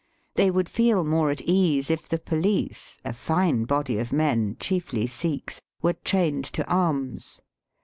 They would feel more at ease if the police, a fine body of men, chiefly Sikhs, were trained to arms.